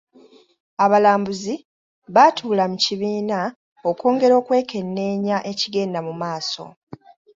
Abalambuzi baatuula mu kibiina okwongera okwekenneenya ekigenda mu maaso.